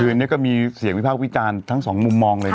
คือมีเสียงวิพากษ์วิจารค์ทั้งสองมุมมองเลย